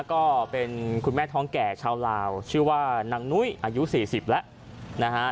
ก็เป็นคุณแม่ท้องแก่ชาวลาวชื่อว่านางนุ้ยอายุ๔๐แล้วนะฮะ